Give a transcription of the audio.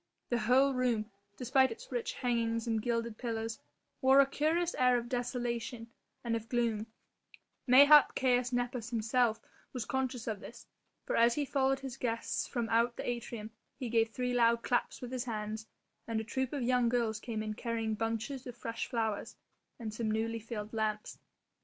The whole room, despite its rich hangings and gilded pillars, wore a curious air of desolation and of gloom; mayhap Caius Nepos himself was conscious of this, for as he followed his guests from out the atrium he gave three loud claps with his hands, and a troupe of young girls came in carrying bunches of fresh flowers and some newly filled lamps.